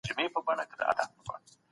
د کندهار په صنعت کي د کارګرو اړیکې څنګه دي؟